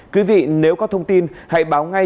quý vị nếu có thông tin hãy báo ngay cho bộ công an